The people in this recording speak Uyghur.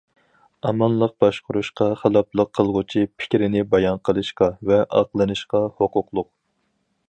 ئامانلىق باشقۇرۇشقا خىلاپلىق قىلغۇچى پىكرىنى بايان قىلىشقا ۋە ئاقلىنىشقا ھوقۇقلۇق.